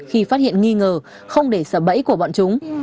khi phát hiện nghi ngờ không để sợ bẫy của bọn chúng